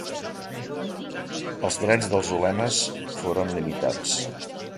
Els drets dels ulemes foren limitats.